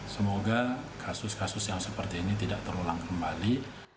semoga kasus kasus yang seperti ini tidak terulang kembali